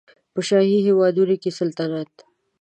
په شاهي هېوادونو کې سلطنت